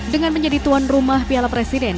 dengan menjadi tuan rumah piala presiden